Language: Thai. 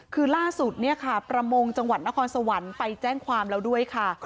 คือล่าสุดเนี่ยค่ะประมงจังหวัดนครสวรรค์ไปแจ้งความแล้วด้วยค่ะ